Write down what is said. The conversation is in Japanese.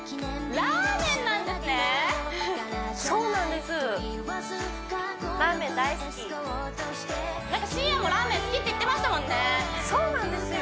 ラーメン大好きなんか深夜のラーメン好きって言ってましたもんねそうなんですよ